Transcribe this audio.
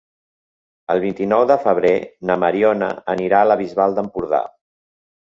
El vint-i-nou de febrer na Mariona anirà a la Bisbal d'Empordà.